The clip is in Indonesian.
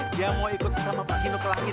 dia mau ikut sama pak grino ke langit